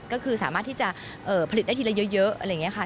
ก็คือสามารถที่จะผลิตได้ทีละเยอะอะไรอย่างนี้ค่ะ